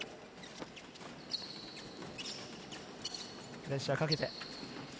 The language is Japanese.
プレッシャーかけて。